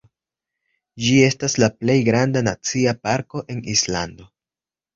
Ĝi estas la plej granda nacia parko en Islando.